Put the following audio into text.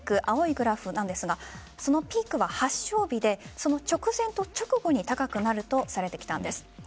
青いグラフなんですがピークは発症日でその直前と直後に高くなるとされてきたんです。